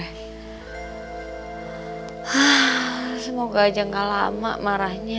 hmm semoga aja gak lama marahnya